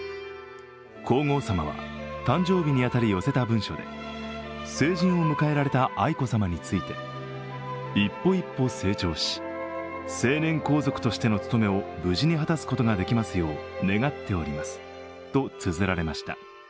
皇后さまは、誕生日に当たり寄せた文書で成人を迎えられた愛子さまについて、一歩一歩成長し、成年皇族としての務めを無事に果たすことができますよう願っておりますとつづられました。